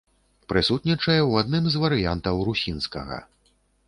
Прысутнічае ў адным з варыянтаў русінскага.